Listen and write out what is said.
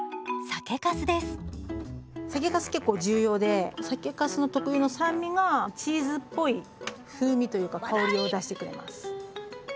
酒かす結構重要で酒かすの特有の酸味がチーズっぽい風味というか香りを出してくれます。